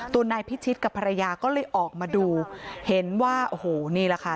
นายพิชิตกับภรรยาก็เลยออกมาดูเห็นว่าโอ้โหนี่แหละค่ะ